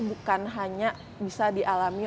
bukan hanya bisa dialami